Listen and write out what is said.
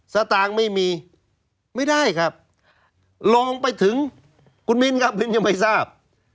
สตางค์ไม่มีไม่ได้ครับลองไปถึงคุณมิ้นครับมิ้นยังไม่ทราบ